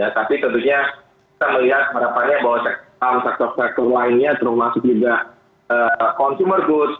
tapi tentunya kita melihat merapanya bahwa saham saham sektor lainnya cenderung masuk juga consumer goods